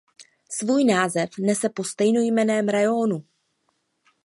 Svůj název nese po stejnojmenném rajónu.